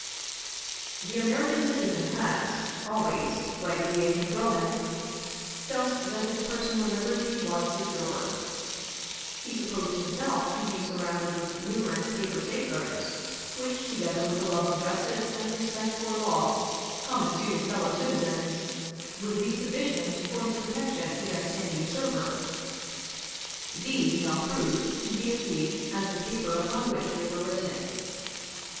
The American citizen has always, like the ancient Roman, felt that his personal liberty was secure. He supposed himself to be surrounded with numerous paper safeguards, which, together with the love of justice and respect for law, common to his fellow citizens, would be sufficient for his protection against any usurper. These now proved to be as weak as the paper upon which they were written.